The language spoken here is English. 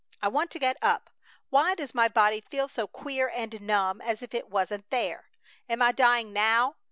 I want to get up! Why does my body feel so queer and numb, as if it wasn't there? Am I dying now?